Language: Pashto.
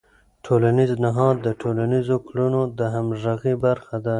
ټولنیز نهاد د ټولنیزو کړنو د همغږۍ برخه ده.